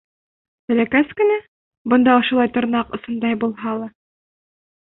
Бәләкәс кенә, бына ошолай тырнаҡ осондай булһа ла?